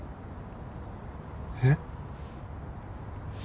えっ？